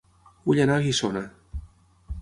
Vull anar a Guissona